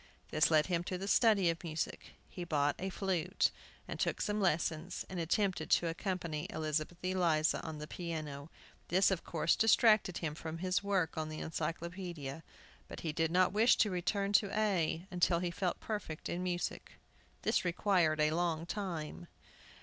This led him to the study of music. He bought a flute, and took some lessons, and attempted to accompany Elizabeth Eliza on the piano. This, of course, distracted him from his work on the Encyclopædia. But he did not wish to return to A until he felt perfect in music. This required a long time.